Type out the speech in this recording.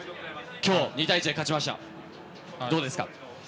今日、２対１で勝ちましたがどうですか。